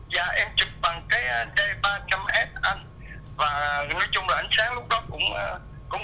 dạ em chụp bằng